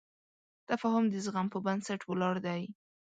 تفاهم د زغم په بنسټ ولاړ دی.